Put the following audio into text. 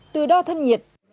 từ đo thân nhiệt